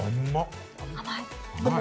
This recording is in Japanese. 甘い！